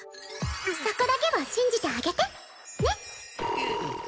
そこだけは信じてあげてねっ！